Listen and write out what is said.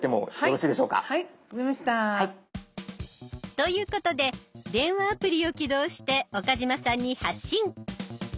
ということで電話アプリを起動して岡嶋さんに発信。